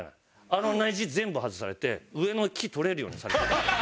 あのネジ全部外されて上の木取れるようにされてた。